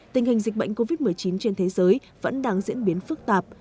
tình hình dịch bệnh covid một mươi chín trên thế giới vẫn đang diễn biến phức tạp